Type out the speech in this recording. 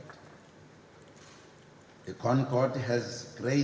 kami berharga untuk menangkap iora dalam dekade seterusnya